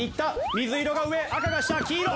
水色が上赤が下黄色。